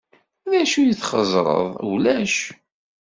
D acu d-txeẓẓreḍ? Ulac.